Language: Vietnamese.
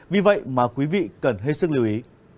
vì vậy mà quý vị cần hết sức lưu ý